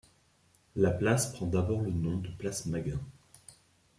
La place prend d'abord le nom de place Maghin.